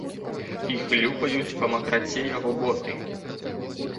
І хлюпаюць па макраце яго боты.